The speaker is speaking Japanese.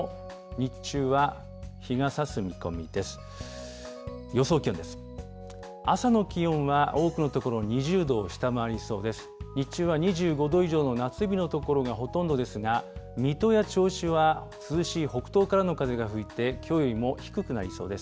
日中は２５度以上の夏日の所がほとんどですが、水戸や銚子は涼しい北東からの風が吹いてきょうよりも低くなりそうです。